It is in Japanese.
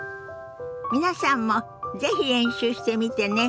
皆さんも是非練習してみてね。